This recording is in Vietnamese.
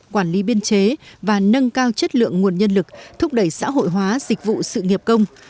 quản lý biên chế và nâng cao chất lượng nguồn nhân lực thúc đẩy xã hội hóa dịch vụ sự nghiệp công